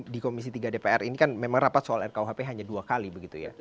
di komisi tiga dpr ini kan memang rapat soal rkuhp hanya dua kali begitu ya